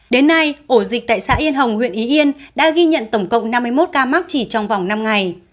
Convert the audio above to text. đến nay ổ dịch tại xã yên hồng huyện ý yên đã ghi nhận tổng cộng năm mươi một ca mắc chỉ trong vòng năm ngày